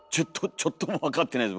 ちょっとも分かってないです